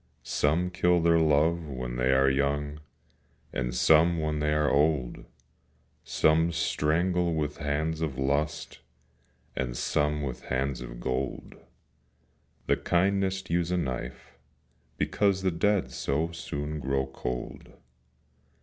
Some kill their love when they are young, And some when they are old; Some strangle with the hands of Lust, Some with the hands of Gold: The kindest use a knife, because The dead so soon grow cold.